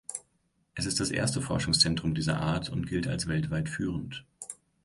Es ist das erste Forschungszentrum dieser Art und gilt als weltweit führend.